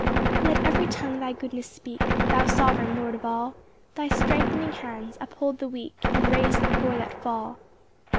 1 Let every tongue thy goodness speak, Thou sovereign Lord of all; Thy strengthening hands uphold the weak, And raise the poor that fall.